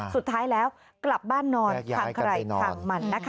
สุดท้ายแล้วกลับบ้านนอนทางใครทางมันนะคะ